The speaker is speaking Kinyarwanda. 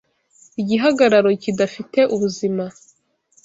igihagararo kidafite ubuzima!